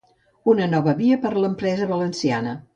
Una nova via per a l’empresa valenciana.